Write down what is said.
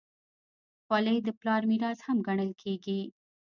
خولۍ د پلار میراث هم ګڼل کېږي.